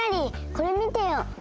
これ見てよ。